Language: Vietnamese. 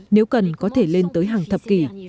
nếu cần có thể lên tới hàng thập kỷ